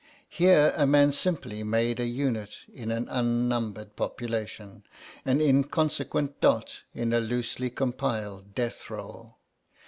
Here a man simply made a unit in an unnumbered population, an inconsequent dot in a loosely compiled deathroll.